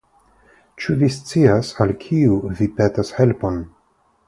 Ĉu vi scias, al kiu vi petas helpon?